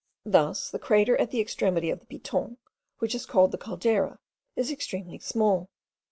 Thus the crater at the extremity of the Piton, which is called the Caldera, is extremely small.